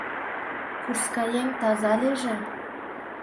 Курскаем таза лийже.